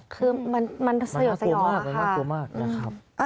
คือมันมันเศร้าสยองนะคะมันกลัวมากมันกลัวมากนะครับ